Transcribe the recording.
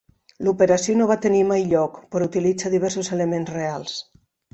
L'operació no va tenir mai lloc però utilitza diversos elements reals.